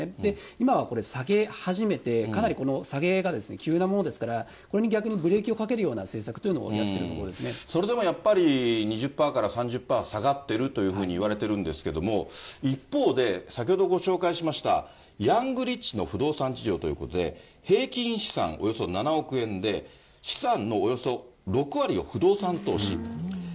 今はこれ、下げ始めて、かなりこの下げが急なものですから、これに逆にブレーキをかけるような政策というのをやっているとこそれでもやっぱり、２０パーから３０％下がってるというふうにいわれてるんですけれども、一方で先ほどご紹介しました、ヤングリッチの不動産事情ということで、平均資産およそ７億円で、資産のおよそ６割を不動産投資。